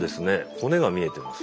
骨が見えてます。